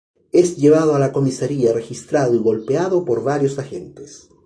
Es llevado a la comisaría, registrado y golpeado por varios agentes.